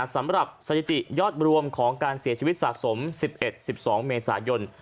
สถิติยอดรวมของการเสียชีวิตสะสม๑๑๑๒เมษายน